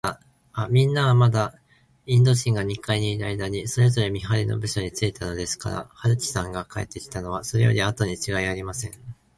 みんなは、まだインド人が二階にいるあいだに、それぞれ見はりの部署についたのですから、春木さんが帰ってきたのは、それよりあとにちがいありません。